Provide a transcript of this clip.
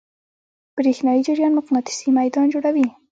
برېښنایی جریان مقناطیسي میدان جوړوي.